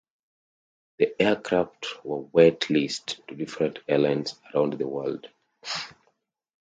The aircraft were wet-leased to different airlines around the world.